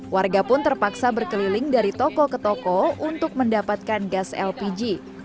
warga pun terpaksa berkeliling dari toko ke toko untuk mendapatkan gas lpg